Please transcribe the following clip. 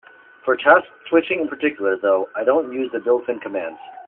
For task switching in particular, though, I don't use the built-in commands.